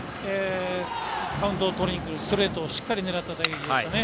カウントを取りに来るストレートをしっかり狙った打撃でしたね。